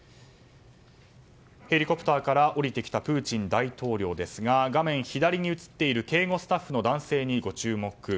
ヘリコプターから降りてきたプーチン大統領ですが画面左に映っている警護スタッフの男性にご注目。